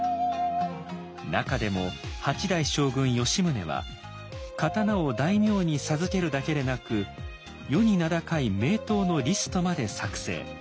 中でも八代将軍吉宗は刀を大名に授けるだけでなく世に名高い名刀のリストまで作成。